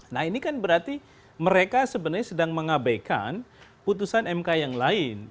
nah ini kan berarti mereka sebenarnya sedang mengabaikan putusan mk yang lain